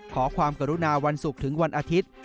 ขอความกรุณาวันศุกร์ถึงวันอาทิตย์